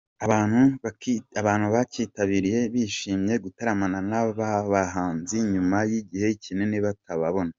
Abantu bakitabiriye bishimiye gutaramana n’aba bahanzi nyuma y’igihe kinini batababona.